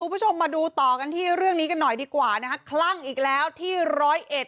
คุณผู้ชมมาดูต่อกันที่เรื่องนี้กันหน่อยดีกว่านะคะคลั่งอีกแล้วที่ร้อยเอ็ด